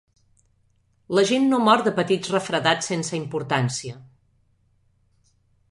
La gent no mor de petits refredats sense importància.